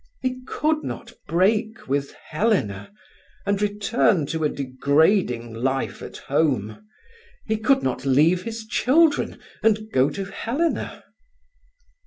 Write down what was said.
He could not break with Helena and return to a degrading life at home; he could not leave his children and go to Helena.